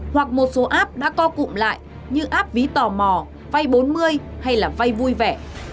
hoặc một số app đã co cụm lại như áp ví tò mò vay bốn mươi hay là vay vui vẻ